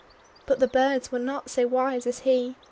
But the birds were not so wise as he!